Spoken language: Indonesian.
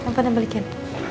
lihat lompat dan balikin